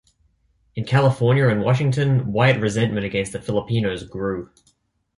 In California and Washington, white resentment against the Filipinos grew.